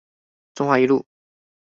中華一路